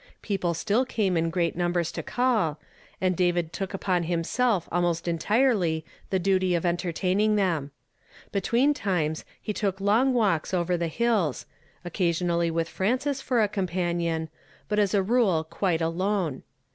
People still came in great numbei s to call, and David took upon himself almost entirely the duty of entertaining them. Between times he took long walks over the hills ; occasionally with Frances for a companion, but as a rule quite alone.